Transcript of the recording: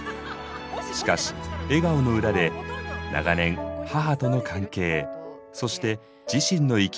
しかし笑顔の裏で長年母との関係そして自身の生き